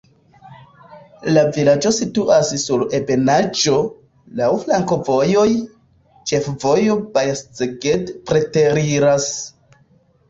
La vilaĝo situas sur ebenaĵo, laŭ flankovojoj, ĉefvojo Baja-Szeged preteriras.